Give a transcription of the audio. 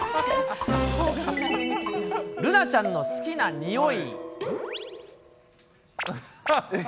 ルナちゃんの好きなにおい。